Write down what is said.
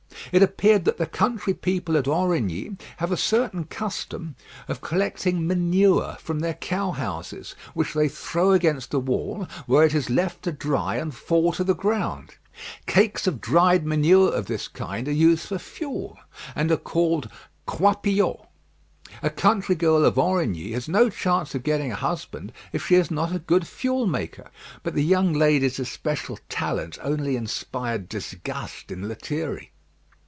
It appeared that the country people at Aurigny have a certain custom of collecting manure from their cow houses, which they throw against a wall, where it is left to dry and fall to the ground. Cakes of dried manure of this kind are used for fuel, and are called coipiaux. A country girl of Aurigny has no chance of getting a husband if she is not a good fuel maker; but the young lady's especial talent only inspired disgust in Lethierry.